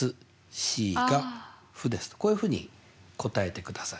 ｃが負ですとこういうふうに答えてください。